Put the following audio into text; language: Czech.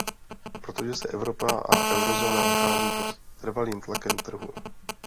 Protože se Evropa a eurozóna nachází pod trvalým tlakem trhů.